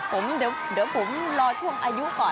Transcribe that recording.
ผมเดี๋ยวผมรอช่วงอายุก่อน